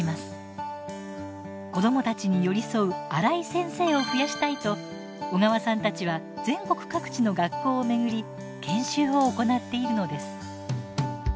子どもたちに寄り添うアライ先生を増やしたいと小川さんたちは全国各地の学校を巡り研修を行っているのです。